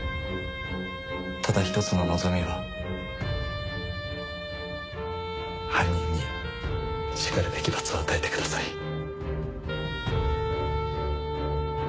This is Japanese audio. ただ一つの望みは犯人にしかるべき罰を与えてください。